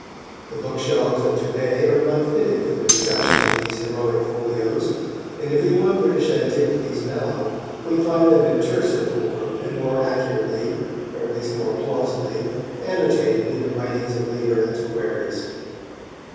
The bookshelves of to day are not fitted for the reception of these heroic folios, and if we want British antiquities now, we find them in terser form and more accurately, or at least more plausibly, annotated in the writings of later antiquaries.